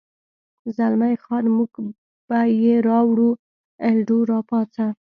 زلمی خان: موږ به یې راوړو، الډو، را پاڅه.